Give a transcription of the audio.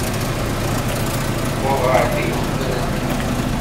Tuweḍ ɣer din uqbel-nneɣ.